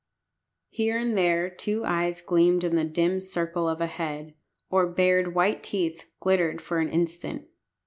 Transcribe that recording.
Here and there two eyes gleamed in the dim circle of a head, or bared white teeth glittered for an instant.